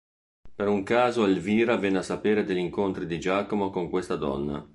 Per un caso Elvira venne a sapere degli incontri di Giacomo con questa donna.